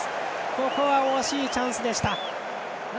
ここは惜しいチャンスでした。